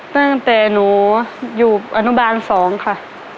ตั้งแต่หนูอยู่อนุบาล๒ค่ะ